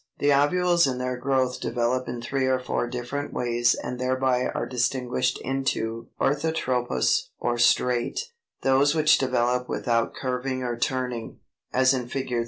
= The ovules in their growth develop in three or four different ways and thereby are distinguished into Orthotropous or Straight, those which develop without curving or turning, as in Fig.